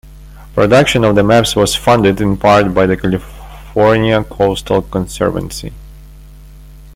Production of the maps was funded in part by the California Coastal Conservancy.